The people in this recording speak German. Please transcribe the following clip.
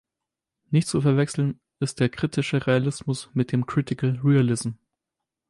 Nicht zu verwechseln ist der Kritische Realismus mit dem "Critical Realism".